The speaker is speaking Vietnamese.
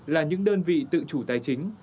là những đơn vị tự chủ tài chính